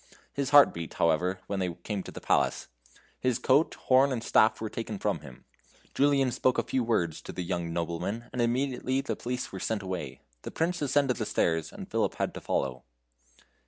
His heart beat, however, when they came to the palace. His coat, horn, and staff were taken from him. Julian spoke a few words to a young nobleman, and immediately the policemen were sent away. The Prince ascended the stairs, and Philip had to follow.